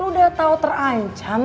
lo udah tau terancam